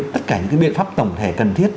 tất cả những biện pháp tổng thể cần thiết